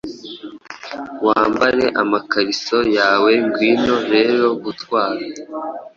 Wambare amakariso yawengwino rero gutwara